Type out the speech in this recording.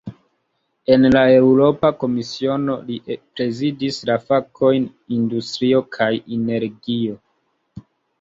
En la Eŭropa Komisiono, li prezidis la fakojn "industrio kaj energio".